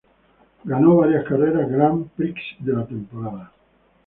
Ganó varias carreras Grand prix de la temporada.